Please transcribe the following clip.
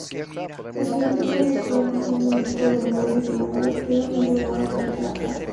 Los ejecutivos de Color Visión Domingo Bermúdez y Manolo Quiroz, le entregaron una placa.